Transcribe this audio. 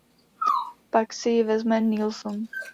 Pak si ji vezme Nelson.